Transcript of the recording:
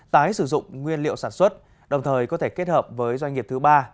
tái sử dụng nguyên liệu sản xuất đồng thời có thể kết hợp với doanh nghiệp thứ ba